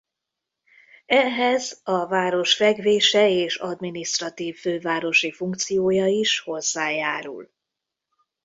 Ehhez a város fekvése és adminisztratív fővárosi funkciója is hozzájárul.